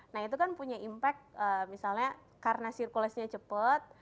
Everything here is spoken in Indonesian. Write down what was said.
nah itu kan punya impact misalnya karena circulesnya cepat